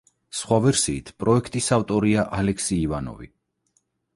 სხვა ვერსიით პროექტის ავტორია ალექსი ივანოვი.